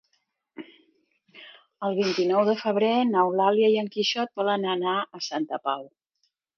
El vint-i-nou de febrer n'Eulàlia i en Quixot volen anar a Santa Pau.